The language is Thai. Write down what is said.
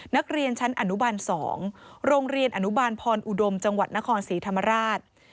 นักเรียนชั้นอนุบาล๒โรงเรียนอนุบาลพรอุดมจังหวัดนครศรีธรรมราช